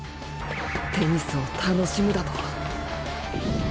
テニスを楽しむだと？